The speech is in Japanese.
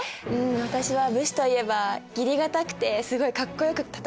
私は武士といえば義理堅くてすごいかっこよく戦ってるイメージかな？